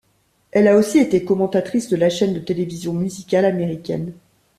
Elle a aussi été commentatrice de la chaîne de télévision musicale américaine.